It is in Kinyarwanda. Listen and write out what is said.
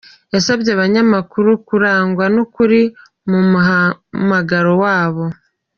Yasabye abanyamakuru kurangwa n’ukuri mu muhamagaro wabo.